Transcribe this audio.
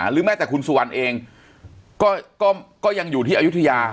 หรือแม้แต่คุณสุวรรณเองก็ยังอยู่ที่อายุทยา